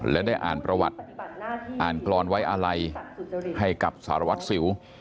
และได้อ่านประวัติอ่านกรอนไว้อาลัยให้กับสารวัตรสิว